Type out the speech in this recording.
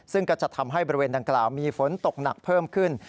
ซึ่งก็จะทำให้บริเวณดังกล่าวมีฝนตกหนักเพิ่มขึ้น